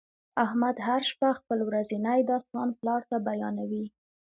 احمد هر شپه خپل ورځنی داستان پلار ته بیانوي.